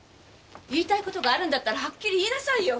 言いたいことがあるならはっきり言いなさいよ！